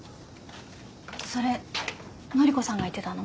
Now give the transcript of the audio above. それ乃里子さんが言ってたの？